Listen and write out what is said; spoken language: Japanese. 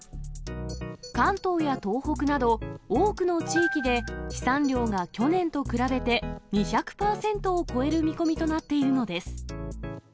関東や東北など、多くの地域で飛散量が去年と比べて２００％を超える見込みとなっているのです。